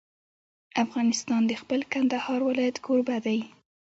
افغانستان د خپل کندهار ولایت کوربه دی.